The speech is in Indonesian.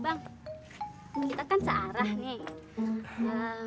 bang kita kan searah nih